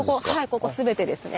ここ全てですね。